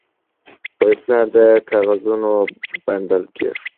پلار د کاغذونو بنډل کېښود.